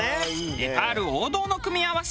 ネパール王道の組み合わせ。